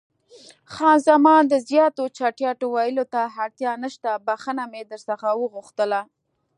خان زمان: د زیاتو چټیاتو ویلو ته اړتیا نشته، بښنه مې در څخه وغوښتله.